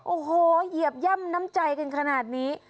โอ้โหเหยียบย่ำน้ำใจกันขนาดนี้